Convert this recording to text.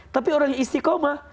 tapi orang yang istiqomah